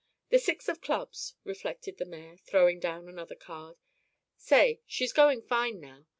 "The six of clubs," reflected the mayor, throwing down another card. "Say, she's going fine now.